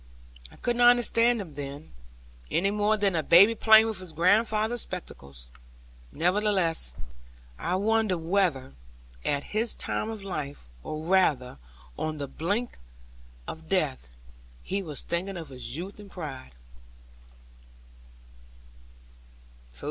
I could not understand him then; any more than a baby playing with his grandfather's spectacles; nevertheless I wondered whether, at his time of life, or rather on the brink of death, he was thinking of his youth and pride.